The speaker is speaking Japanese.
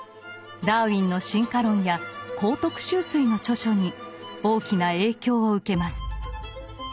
ダーウィンの「進化論」や幸徳秋水の著書に大きな影響を受けます。